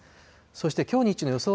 そしてきょう日中の予想